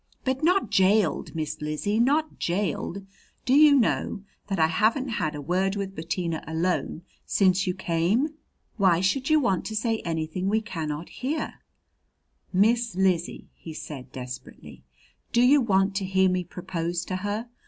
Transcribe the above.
"But not jailed, Miss Lizzie, not jailed! Do you know that I haven't had a word with Bettina alone since you came?" "Why should you want to say anything we cannot hear?" "Miss Lizzie," he said desperately, "do you want to hear me propose to her?